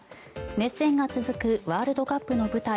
熱戦が続くワールドカップの舞台